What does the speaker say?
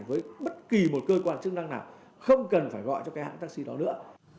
với bất kỳ một cơ quan chức năng nào không cần phải gọi cho cái hãng taxi đó nữa